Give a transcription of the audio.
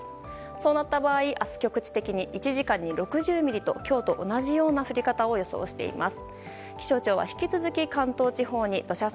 そうなった場合明日、局地的に１時間に６０ミリと今日と同じような降り方を予想しています。